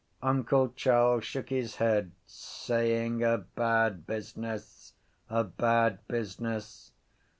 Uncle Charles shook his head, saying: —A bad business! A bad business!